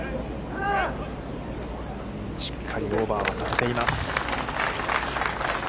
しっかりオーバーはさせています。